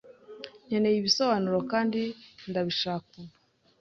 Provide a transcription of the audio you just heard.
nkeneye ibisobanuro kandi ndabishaka ubu.